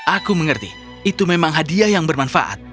aku mengerti itu memang hadiah yang bermanfaat